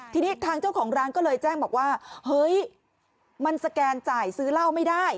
ทีนี้ทางเจ้าของร้านก็เลยแจ้งบอกว่าเฮ้ยมันสแกนจ่ายซื้อเหล้าไม่ได้